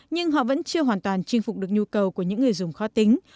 nhưng họ vẫn chưa hoàn toàn chinh phục được nhu cầu của những người dùng khó tính